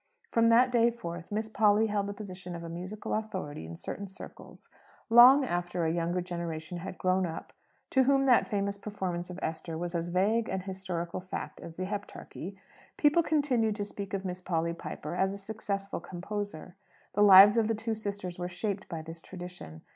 From that day forth, Miss Polly held the position of a musical authority in certain circles. Long after a younger generation had grown up, to whom that famous performance of "Esther" was as vague an historical fact as the Heptarchy, people continued to speak of Miss Polly Piper as a successful composer. The lives of the two sisters were shaped by this tradition.